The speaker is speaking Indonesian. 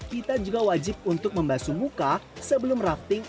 pita juga wajib untuk membasu muka sebelum rafting